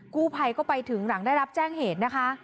กู้ภัยก็ไปถึงหลังได้รับแจ้งเหตุนะคะ